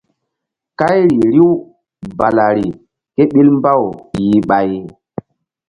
Kayri riw balari ké ɓil mbaw yih ɓay.